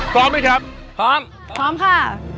พร้อมไหมครับพร้อมพร้อมค่ะ